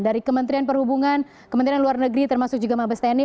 dari kementerian perhubungan kementerian luar negeri termasuk juga mabestani